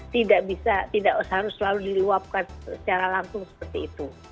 tidak bisa tidak harus selalu diluapkan secara langsung seperti itu